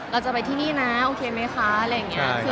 เราจะไปที่นี่นะโอเคไหมคะอะไรอย่างนี้